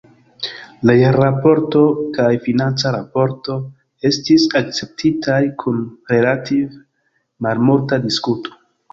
La jarraporto kaj financa raporto estis akceptitaj kun relative malmulta diskuto.